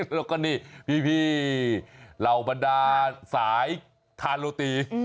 แล้วก็นี่พี่เหล่าบรรดาสายทาโรตี